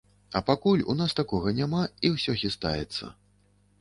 А пакуль у нас такога няма і ўсё хістаецца.